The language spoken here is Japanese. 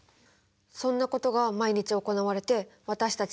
そんなことが毎日行われて私たち